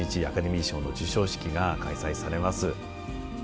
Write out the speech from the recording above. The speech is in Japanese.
アカデミー賞の授賞式が開催されます。